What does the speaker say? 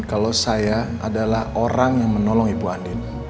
kalau saya adalah orang yang menolong ibu adit